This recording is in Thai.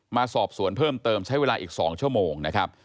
มาสอบสวนเพิ่มเติมใช้เวลาอีก๒ชั่วโมงนะครับ